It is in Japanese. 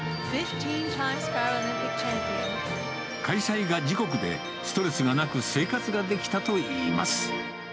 開催が自国でストレスがなく、生活ができたといいます。